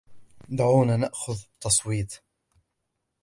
دعونا نأخذ تصويت.